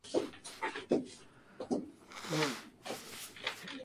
Las letras suelen tratar temas pornográficos y gore.